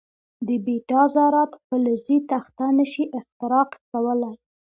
د بیټا ذرات فلزي تخته نه شي اختراق کولای.